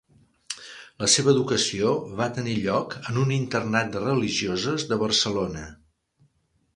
La seva educació va tenir lloc en un internat de religioses de Barcelona.